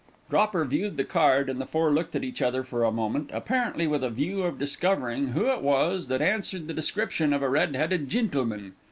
Dropper viewed the card, and the four looked at each other for a moment, apparently with a view of discovering who it was that answered the description of a "red headed gintleman."